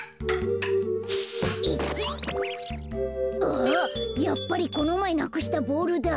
あやっぱりこのまえなくしたボールだ。